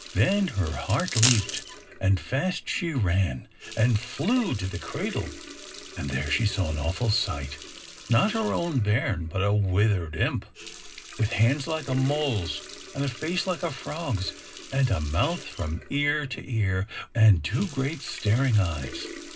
Then her heart leaped, and fast she ran and flew to the cradle; and there she saw an awful sight not her own bairn, but a withered imp, with hands like a mole's, and a face like a frog's, and a mouth from ear to ear, and two great staring eyes."